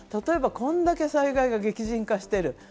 これだけ災害が激甚化してる。